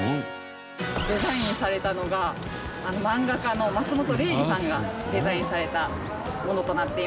デザインされたのがあの漫画家の松本零士さんがデザインされたものとなっています。